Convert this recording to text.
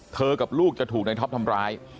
กับลูกจะถูกในท็อปทำร้าย